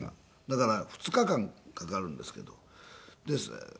だから２日間かかるんですけど。